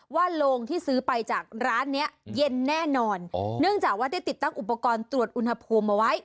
โรงที่ซื้อไปจากร้านเนี้ยเย็นแน่นอนเนื่องจากว่าได้ติดตั้งอุปกรณ์ตรวจอุณหภูมิเอาไว้